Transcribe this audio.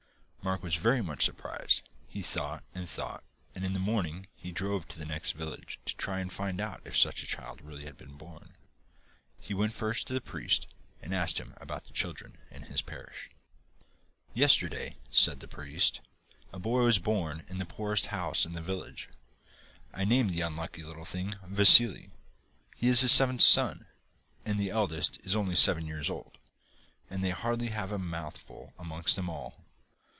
Mark was very much surprised; he thought, and thought, and in the morning he drove to the next village to try and find out if such a child really had been born. He went first to the priest, and asked him about the children in his parish. 'Yesterday,' said the priest, 'a boy was born in the poorest house in the village. I named the unlucky little thing "Vassili." He is the seventh son, and the eldest is only seven years old, and they hardly have a mouthful amongst them all.